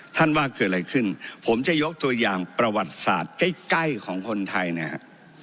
ว่าเกิดอะไรขึ้นผมจะยกตัวอย่างประวัติศาสตร์ใกล้ใกล้ของคนไทยนะฮะ